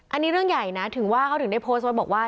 อันนี้เรื่องใหญ่นะถึงว่าเขาถึงได้โพสต์ไว้บอกว่า